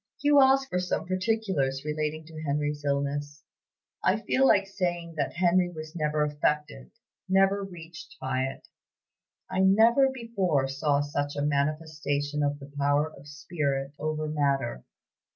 "You ask for some particulars relating to Henry's illness. I feel like saying that Henry was never affected, never reached by it. I never before saw such a manifestation of the power of spirit over matter.